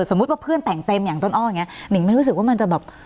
ว่าเพื่อนแต่งเต็มอย่างต้นอ้ออย่างเงี้นิ่งไม่รู้สึกว่ามันจะแบบ